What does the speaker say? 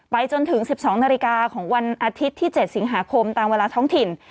จนถึง๑๒นาฬิกาของวันอาทิตย์ที่๗สิงหาคมตามเวลาท้องถิ่น